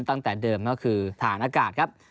ตั้งแต่เดิมก็คือฐานอากาศครับ